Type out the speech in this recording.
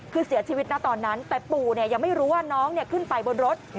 คือเสียชีวิตนะตอนนั้นแต่ปู่ยังไม่รู้ว่าน้องขึ้นไปบนรถ